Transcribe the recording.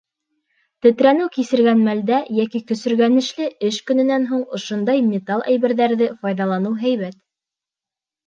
Тетрәнеү кисергән мәлдә йәки көсөргәнешле эш көнөнән һуң ошондай металл әйберҙәрҙе файҙаланыу һәйбәт.